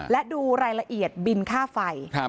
และดูรายละเอียดบินค่าไฟ